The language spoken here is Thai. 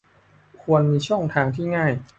ควรมีช่องทางที่ง่าย